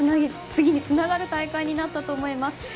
次につながる大会になったと思います。